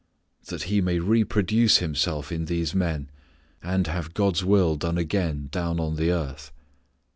That He may reproduce Himself in these men, and have God's will done again down on the earth.